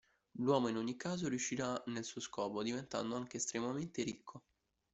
L'uomo, in ogni caso, riuscirà nel suo scopo, diventando anche estremamente ricco.